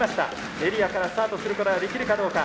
エリアからスタートすることができるかどうか。